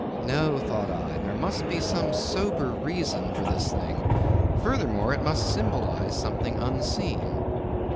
No, thought I, there must be some sober reason for this thing; furthermore, it must symbolize something unseen.